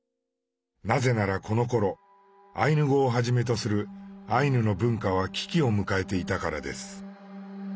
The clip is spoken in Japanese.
なぜならこのころアイヌ語をはじめとするアイヌの文化は危機を迎えていたからです。